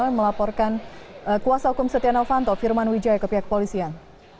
yang melaporkan kuasa hukum setia novanto firman wijaya ke pihak polisian